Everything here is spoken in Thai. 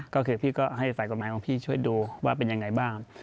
ก็คือพี่ก็ให้ฝ่ายกฎหมายของพี่ช่วยดูว่าเป็นยังไงบ้าง